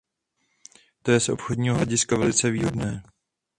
To je z obchodního hlediska velice výhodné.